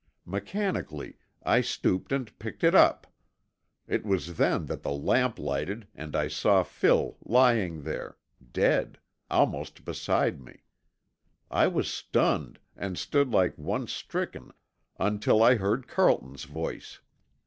Mechanically, I stooped and picked it up. It was then that the lamp lighted and I saw Phil lying there dead almost beside me. I was stunned and stood like one stricken until I heard Carlton's voice.